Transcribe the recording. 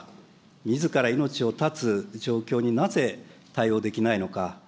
みずから命を絶つ状況になぜ対応できないのか。